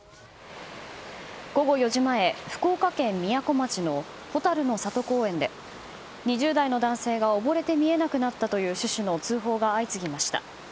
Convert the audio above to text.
午後４時前、福岡県みやこ町のほたるの里公園で２０代の男性が溺れて見えなくなったという趣旨の通報が相次ぎました。